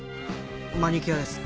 マニキュアです。